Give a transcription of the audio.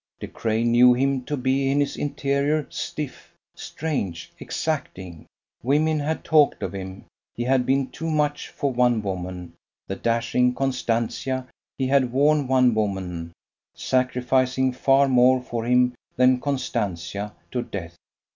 De Craye knew him to be in his interior stiff, strange, exacting: women had talked of him; he had been too much for one woman the dashing Constantia: he had worn one woman, sacrificing far more for him than Constantia, to death.